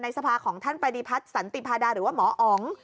สภาของท่านปฏิพัฒน์สันติพาดาหรือว่าหมออ๋อง